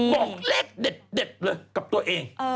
บอกเลขเด็ดเลยกับตัวเอง